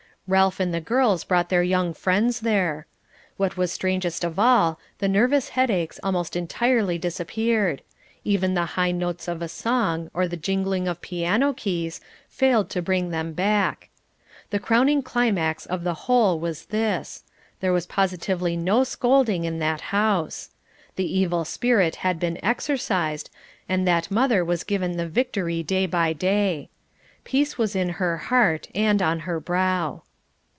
Ralph and the girls brought their young friends there. What was strangest of all, the nervous headaches almost entirely disappeared; even the high notes of a song, or the jingling of piano keys, failed to bring them back. The crowning climax of the whole was this: there was positively no scolding in that house. The evil spirit had been exorcised, and that mother was given the victory day by day. Peace was in her heart and on her brow.